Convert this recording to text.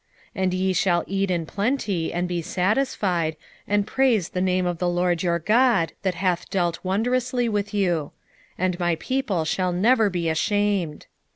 2:26 And ye shall eat in plenty, and be satisfied, and praise the name of the LORD your God, that hath dealt wondrously with you: and my people shall never be ashamed.